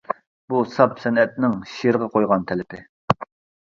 بۇ ساپ سەنئەتنىڭ شېئىرغا قويغان تەلىپى.